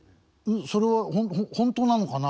それは本当なのかな